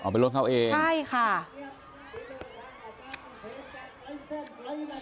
เป็นรถเขาเองใช่ค่ะ